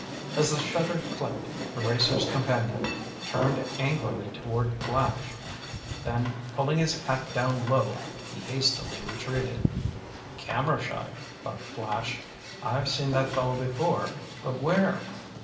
As the shutter clicked, the racer's companion, turned angrily toward Flash. Then pulling his hat down low, he hastily retreated. "Camera shy," thought Flash. "I've seen that fellow before. But where?"